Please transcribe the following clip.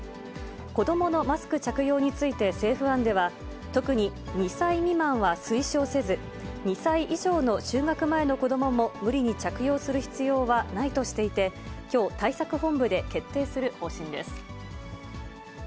子どものマスク着用について政府案では、特に２歳未満は推奨せず、２歳以上の就学前の子どもも無理に着用する必要はないとしていて、きょう、対策本部で決定する方針です。